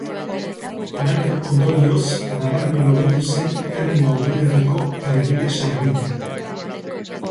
Lanen ondorioz nabarmen hobetu zen Ermua udalerriko trenbide sarbidea.